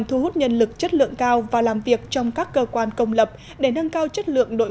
thu hút nhân lực chất lượng cao và làm việc trong các cơ quan công lập để nâng cao chất lượng đội